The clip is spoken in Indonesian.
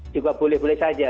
juga boleh boleh saja